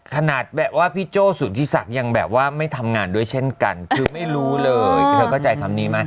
ขนาดแบบว่าพี่โจ้สุธิศักดิ์ยังแบบว่าไม่ทำงานด้วยเช่นกันคือไม่รู้เลยเธอเข้าใจคำนี้ไหม